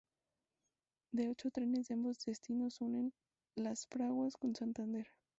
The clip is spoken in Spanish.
De ocho trenes en ambos destinos unen Las Fraguas con Santander.